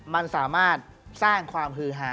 มันสามารถสร้างความฮือหา